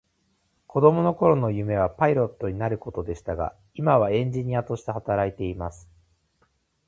子供の頃の夢はパイロットになることでしたが、今はエンジニアとして働いています。